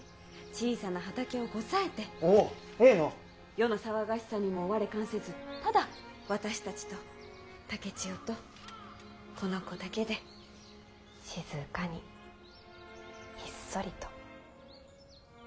世の騒がしさにも我関せずただ私たちと竹千代とこの子だけで静かにひっそりと。